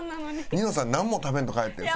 ニノさんなんも食べんと帰ってん。